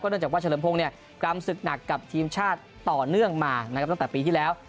ก็ด้วยจากว่าเชลิมโพงกรามศึกหนักกับทีมชาติต่อเนื่องมาซักปีที่แล้ว